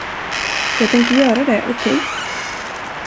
Jag tänker göra det, okej?